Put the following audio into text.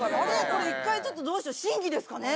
これ１回ちょっとどうしよう？審議ですかね？